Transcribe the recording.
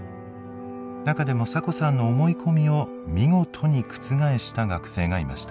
中でもサコさんの思い込みを見事に覆した学生がいました。